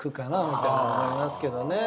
みたいに思いますけどね。